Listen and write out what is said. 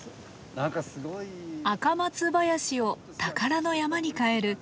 アカマツ林を宝の山に変える手入れの名人。